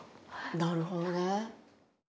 なるほどね。